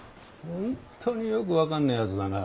本当によく分かんねえやつだな。